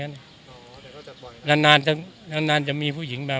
แต่วันจากวันนี้เขาพาผู้หญิงมา